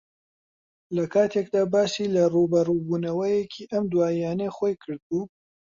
لەکاتێکدا باسی لە ڕووبەڕووبوونەوەیەکی ئەم دواییانەی خۆی کردبوو